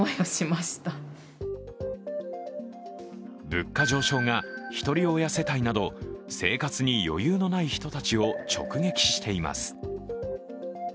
物価上昇が、ひとり親世帯など生活に余裕のない人たちを直撃しています。